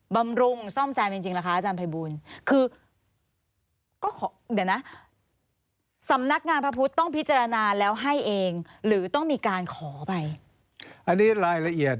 บำรุงซ่อมแซมจริงแหละคะอาจารย์พระบุญ